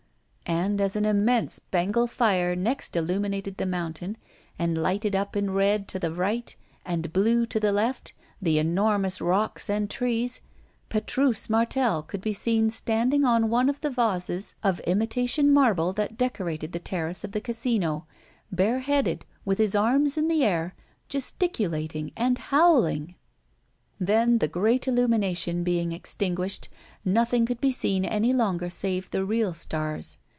And, as an immense Bengal fire next illuminated the mountain and lighted up in red to the right and blue to the left, the enormous rocks and trees, Petrus Martel could be seen standing on one of the vases of imitation marble that decorated the terrace of the Casino, bareheaded, with his arms in the air, gesticulating and howling. Then, the great illumination being extinguished, nothing could be seen any longer save the real stars.